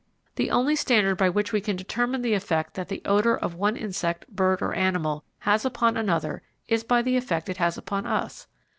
The only standard by which we can determine the effect that the odour of one insect, bird, or animal has upon another is by the effect it has upon us.